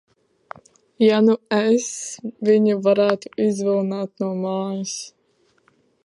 Ja nu es viņu varētu izvilināt no mājas?